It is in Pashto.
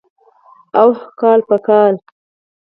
اوح کال په کال.